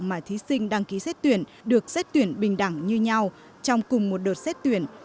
mà thí sinh đăng ký xét tuyển được xét tuyển bình đẳng như nhau trong cùng một đợt xét tuyển